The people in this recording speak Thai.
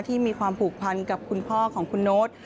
ที่มีความผูกพันกับคุณพ่อของคุณโน๊ต